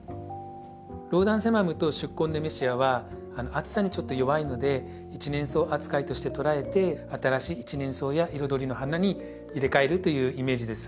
ローダンセマムと宿根ネメシアは暑さにちょっと弱いので一年草扱いとして捉えて新しい一年草や彩りの花に入れ替えるというイメージです。